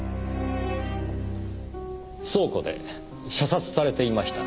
倉庫で射殺されていました。